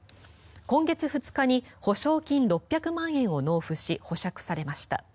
今月２日に保証金６００万円を納付し保釈されました。